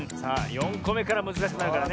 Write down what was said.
４こめからむずかしくなるからね。